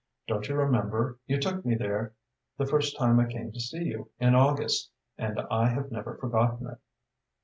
Don't you remember, you took me there the first time I came to see you, in August, and I have never forgotten it."